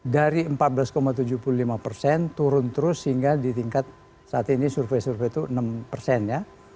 dari empat belas tujuh puluh lima persen turun terus hingga di tingkat saat ini survei survei itu enam persen ya